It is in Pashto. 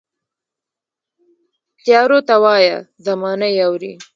تیارو ته وایه، زمانه یې اورې